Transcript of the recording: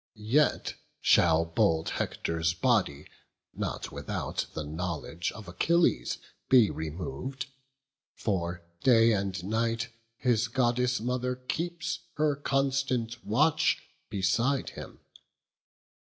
Yet shall bold Hector's body, not without The knowledge of Achilles, be remov'd; For day and night his Goddess mother keeps Her constant watch beside him.